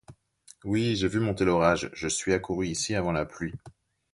Oui, j'ai vu monter l'orage, je suis accourue ici, avant la pluie.